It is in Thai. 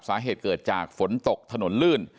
สาเหตุเกิดจากฝนตกถนนลื่น